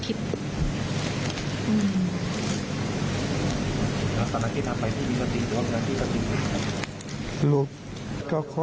พี่คุณสามารถที่ทำไปพี่มีความจริงหรือผิดความจริง